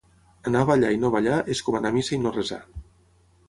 Anar a ballar i no ballar és com anar a missa i no resar.